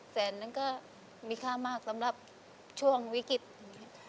แสนนั้นก็มีค่ามากสำหรับช่วงวิกฤติ